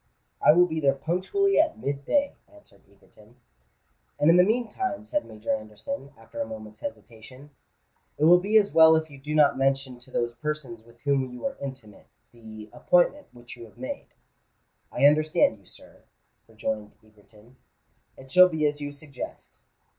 "I will be there punctually at mid day," answered Egerton. "And in the meantime," said Major Anderson, after a moment's hesitation, "it will be as well if you do not mention to those persons with whom you are intimate, the appointment which you have made." "I understand you, sir," rejoined Egerton: "it shall be as you suggest."